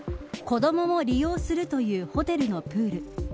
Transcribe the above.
子どもも利用するというホテルのプール。